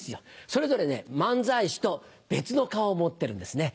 それぞれ漫才師と別の顔を持ってるんですね。